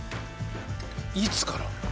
いつから？